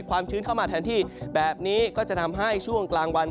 ชื้นเข้ามาแทนที่แบบนี้ก็จะทำให้ช่วงกลางวัน